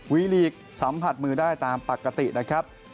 ลีลีกสัมผัสมือได้ตามปกตินะครับ